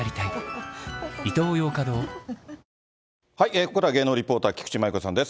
ここからは、芸能リポーター、菊池真由子さんです。